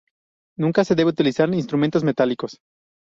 Nunca se debe utilizar instrumentos metálicos.